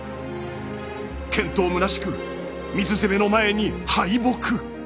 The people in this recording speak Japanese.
健闘むなしく水攻めの前に敗北。